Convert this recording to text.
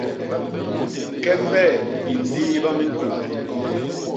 Kembe i nliiba miñkôô.